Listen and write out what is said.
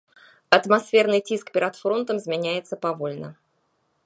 Атмасферны ціск перад фронтам змяняецца павольна.